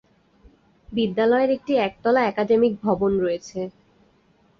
বিদ্যালয়ের একটি একতলা একাডেমিক ভবন রয়েছে।